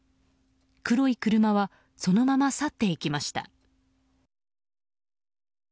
黒い車はそのまま去っていきました。